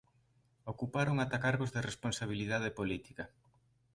Ocuparon ata cargos de responsabilidade política.